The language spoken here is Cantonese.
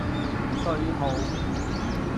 句號